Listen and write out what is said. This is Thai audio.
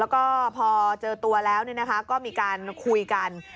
แล้วก็พอเจอตัวแล้วก็มีการคุยกัน